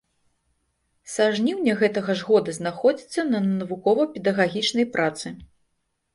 Са жніўня гэтага ж года знаходзіцца на навукова-педагагічнай працы.